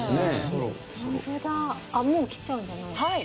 あっもうきちゃうんじゃない？